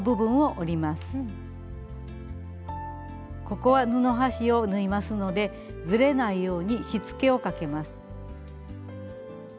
ここは布端を縫いますのでずれないようにしつけをかけます。